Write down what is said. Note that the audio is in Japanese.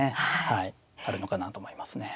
はいあるのかなと思いますね。